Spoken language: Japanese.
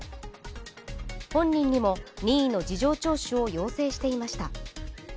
本人にも任意の事情聴取を要請していました。